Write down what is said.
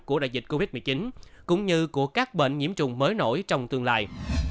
của đại dịch covid một mươi chín cũng như của các bệnh nhiễm trùng mới nổi trong tương lai